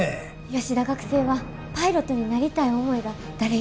吉田学生はパイロットになりたい思いが誰よりも強くて。